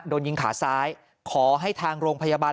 โดนยิงขาซ้ายขอให้ทางโรงพยาบาล